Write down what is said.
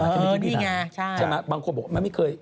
เออนี่ไงใช่บางคนบอกมันไม่เคย